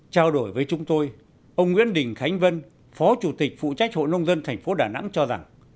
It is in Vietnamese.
trao đổi với chúng tôi ông nguyễn đình khánh vân phó chủ tịch phụ trách hội nông dân tp đà nẵng cho rằng